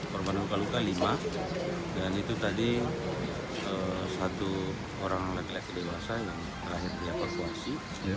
korban luka luka lima dan itu tadi satu orang laki laki dewasa yang terakhir dievakuasi